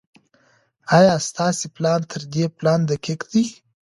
ايا ستاسي پلان تر دې پلان دقيق دی؟